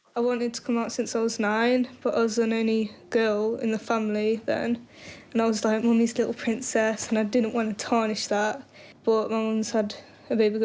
ครั้งนี้ที่เจ้าเจ้าตายแล้วฉันคิดว่านี่คือโอกาสของฉันฉันก็ได้ทำได้